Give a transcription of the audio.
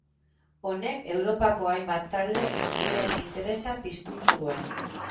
Honek Europako hainbat talde handiren interesa piztu zuen.